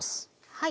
はい。